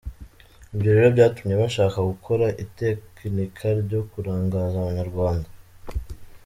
Ibyo rero byatumye bashaka gukora itekinika ryo kurangaza Abanyarwanda.